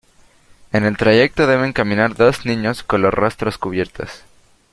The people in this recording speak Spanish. En el trayecto deben caminar dos niños con los rostros cubiertos.